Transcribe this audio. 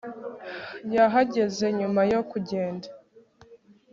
yahageze nyuma yo kugenda